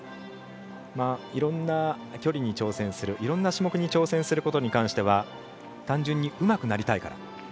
いろんな距離に挑戦するいろんな種目に挑戦することに対しては単純にうまくなりたいから。